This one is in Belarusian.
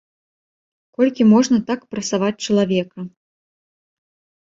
Колькі можна так прасаваць чалавека.